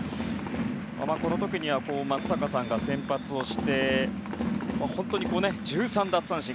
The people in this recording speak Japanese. この時には松坂さんが先発をして本当に１３奪三振。